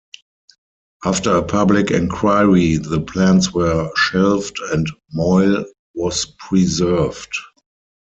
After a public enquiry the plans were shelved and Moyle was preserved.